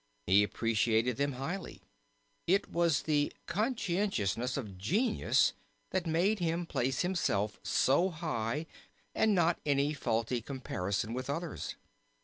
He appreciated them highly. It was the consciousness of genius that made him place himself so high and not any faulty comparison with others.